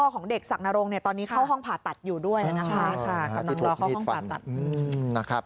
ก่อนข้างห้องห้องห้องผ่าตัดอยู่ด้วยจ้ะนะคะ